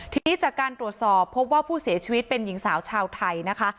ทีนี้จากการตรวจสอบพบว่าผู้เสียชีวิตเป็นหญิงสาวชาวไทยนะคะ